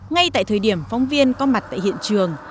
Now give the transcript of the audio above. ngay tại thời điểm phóng viên có mặt tại hiện trường